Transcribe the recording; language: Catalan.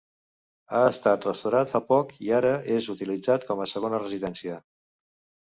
Ha estat restaurat fa poc i ara és utilitzat com a segona residència.